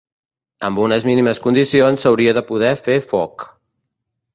Amb unes mínimes condicions s'hauria de poder fer foc.